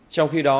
trong khi đó